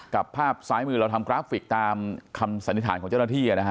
กับภาพซ้ายมือเราทำกราฟิกตามคำสันนิษฐานของเจ้าหน้าที่